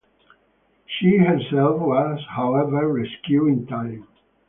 She herself was however rescued in time.